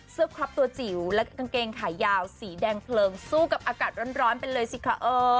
ครอบตัวจิ๋วและกางเกงขายาวสีแดงเพลิงสู้กับอากาศร้อนไปเลยสิคะ